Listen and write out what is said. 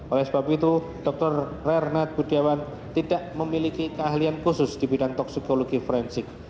oleh sebab itu dr rernet budiawan tidak memiliki keahlian khusus di bidang toksikologi forensik